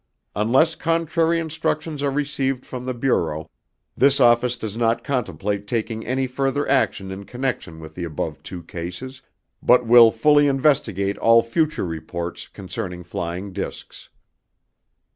Unless contrary instructions are received from the Bureau, this office does not contemplate taking any further action in connection with the above two cases, but will fully investigate all future reports concerning flying discs.